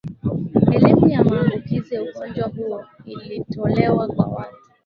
elimu ya maambukizi ya ugonjwa huo ilitolewa kwa watu